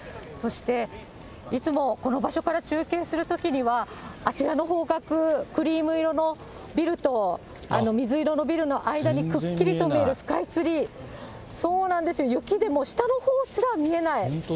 そして、いつもこの場所から中継するときには、あちらの方角、クリーム色のビルと水色のビルの間にくっきりと見えるスカイツリー、雪で下のほうすら見えない。